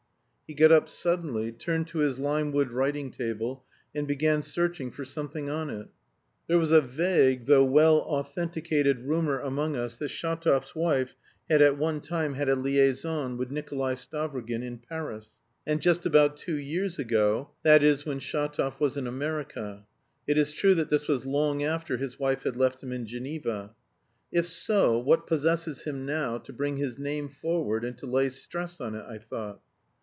He got up suddenly, turned to his limewood writing table and began searching for something on it. There was a vague, though well authenticated rumour among us that Shatov's wife had at one time had a liaison with Nikolay Stavrogin, in Paris, and just about two years ago, that is when Shatov was in America. It is true that this was long after his wife had left him in Geneva. "If so, what possesses him now to bring his name forward and to lay stress on it?" I thought.